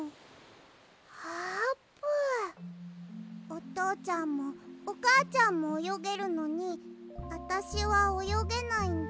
おとうちゃんもおかあちゃんもおよげるのにあたしはおよげないんだ。